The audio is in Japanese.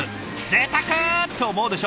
「ぜいたく！」と思うでしょ？